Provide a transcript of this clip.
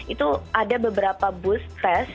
itu ada beberapa bus test